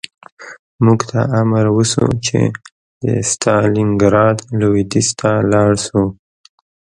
موږ ته امر وشو چې د ستالینګراډ لویدیځ ته لاړ شو